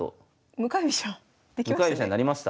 向かい飛車になりました。